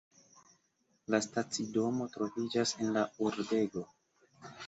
La stacidomo troviĝas en la urbego.